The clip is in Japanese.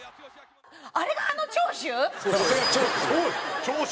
あれがあの長州？